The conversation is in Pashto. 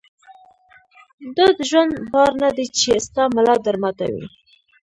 دا دژوند بار نۀ دی چې ستا ملا در ماتوي